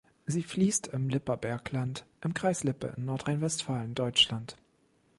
Sie fließt im Lipper Bergland im Kreis Lippe in Nordrhein-Westfalen, Deutschland.